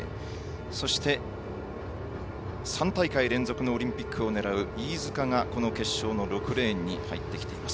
そして３大会連続のオリンピックを狙う飯塚がこの決勝の６レーンに入ってきています。